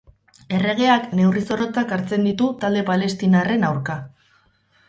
Erregeak neurri zorrotzak hartzen ditu talde palestinarren aurka.